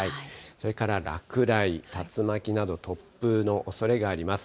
それから落雷、竜巻などの突風のおそれがあります。